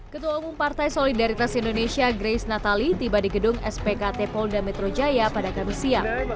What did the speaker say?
ketua umum partai solidaritas indonesia grace natali tiba di gedung spkt polda metro jaya pada kamis siang